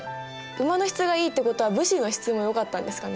馬の質がいいってことは武士の質もよかったんですかね？